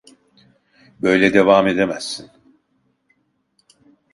Böyle devam edemezsin.